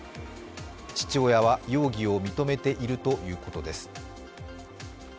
父親は容疑を認めているということです。